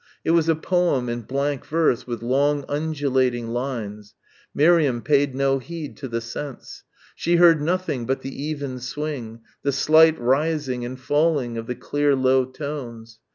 It was a poem in blank verse with long undulating lines. Miriam paid no heed to the sense. She heard nothing but the even swing, the slight rising and falling of the clear low tones.